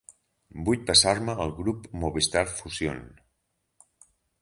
Vull passar-me al grup Movistar Fusión.